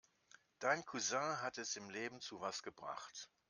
Dein Cousin hat es im Leben zu was gebracht.